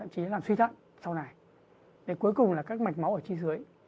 cuối cùng là các mạch máu ở chi dưới